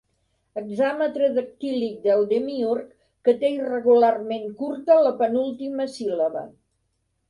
Hexàmetre dactílic del Demiürg que té irregularment curta la penúltima síl·laba.